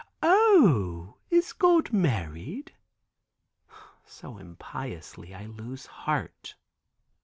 "O, is God married?" so impiously, I lose heart.